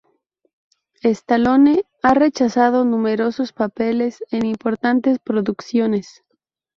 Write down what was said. Stallone ha rechazado numerosos papeles en importantes producciones.